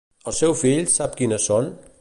El seu fill sap quines són?